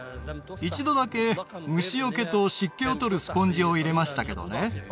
一度だけ虫よけと湿気を取るスポンジを入れましたけどね